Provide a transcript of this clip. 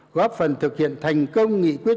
góp phần thực hiện thành công nghị quyết